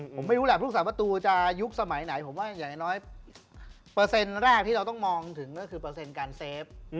ผมไม่รู้แหละผู้สาประตูจะยุคสมัยไหนผมว่าอย่างน้อยเปอร์เซ็นต์แรกที่เราต้องมองถึงก็คือเปอร์เซ็นต์การเซฟ